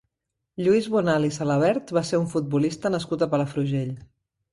Lluís Bonal i Salavert va ser un futbolista nascut a Palafrugell.